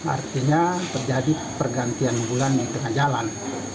artinya terjadi pergantian bulan di tengah jalan